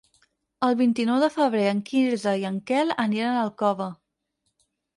El vint-i-nou de febrer en Quirze i en Quel aniran a Alcover.